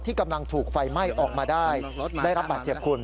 กำลังถูกไฟไหม้ออกมาได้ได้รับบาดเจ็บคุณ